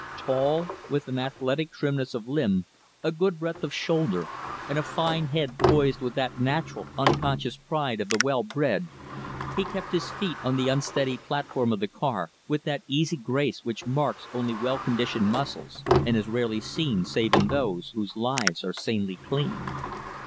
Tall, with an athletic trimness of limb, a good breadth of shoulder, and a fine head poised with that natural, unconscious pride of the well bred he kept his feet on the unsteady platform of the car with that easy grace which marks only well conditioned muscles, and is rarely seen save in those whose lives are sanely clean.